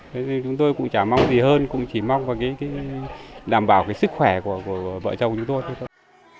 thế thì chúng tôi cũng chả mong gì hơn cũng chỉ mong vào cái đảm bảo cái sức khỏe của vợ chồng chúng tôi thôi